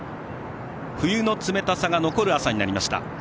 冬の冷たさが残る朝になりました。